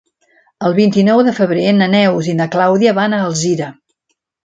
El vint-i-nou de febrer na Neus i na Clàudia van a Alzira.